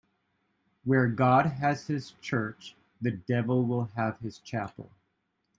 Where God has his church, the devil will have his chapel.